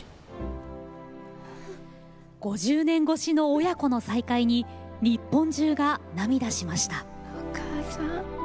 ５０年越しの親子の再会に日本中が涙しました。